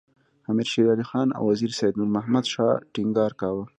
امیر شېر علي خان او وزیر سید نور محمد شاه ټینګار کاوه.